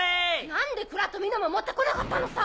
何で鞍と蓑も持ってこなかったのさ！